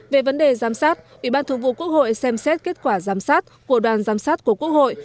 về vấn đề giám sát ủy ban thường vụ quốc hội xem xét kết quả giám sát của đoàn giám sát của quốc hội